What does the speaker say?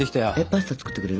パスタ作ってくれる？